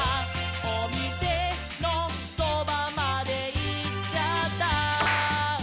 「おみせのそばまでいっちゃった」